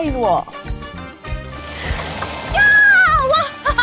ini adalah sebuah kaku pembuatan kainwo